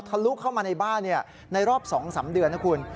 ลุเข้ามาในบ้านในรอบ๒๓เดือนนะคุณ